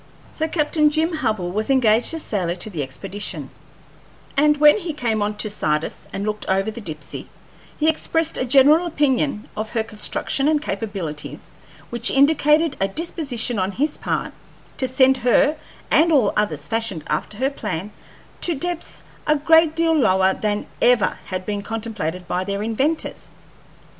So Captain Jim Hubbell was engaged as sailor to the expedition; and when he came on to Sardis and looked over the Dipsey he expressed a general opinion of her construction and capabilities which indicated a disposition on his part to send her, and all others fashioned after her plan, to depths a great deal lower than ever had been contemplated by their inventors.